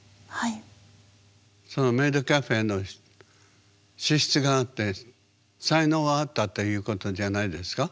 メイドカフェの資質があって才能があったということじゃないですか？